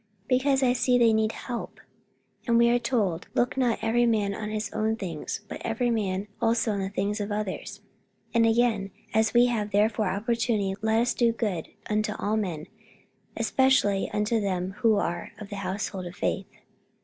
"Because I see that they need help, and we are told, 'Look not every man on his own things but every man also on the things of others.' And again, 'As we have therefore opportunity, let us do good unto all men, especially unto them who are of the household of faith.'